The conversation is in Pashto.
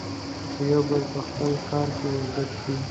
که يو بل په خپل کار کې ورګډ کړي.